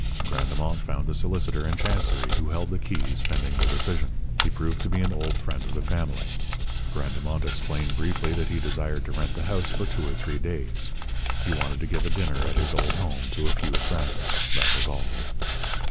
Grandemont found the solicitor in chancery who held the keys pending the decision. He proved to be an old friend of the family. Grandemont explained briefly that he desired to rent the house for two or three days. He wanted to give a dinner at his old home to a few friends. That was all.